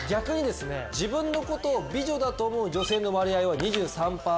自分のことを美女だと思う女性の割合は。